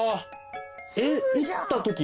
えっ！